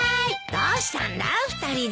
どうしたんだ２人で。